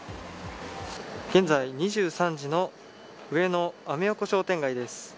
現在２３時の上野、アメ横商店街です。